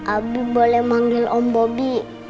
abi boleh manggil om bobby